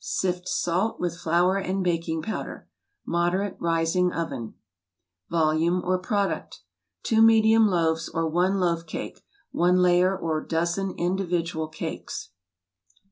Sift salt with flour and baking powder. Moderate, rising oven. Volume or Product 2 medium loaves or I loaf cake, i layer or dozen individual cakes.